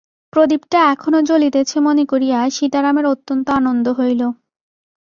প্রদীপটা এখনাে জ্বলিতেছে মনে করিয়া সীতারামের অত্যন্ত আনন্দ হইল।